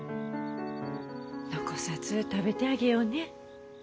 残さず食べてあげようね。